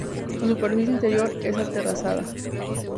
Su superficie interior es aterrazada.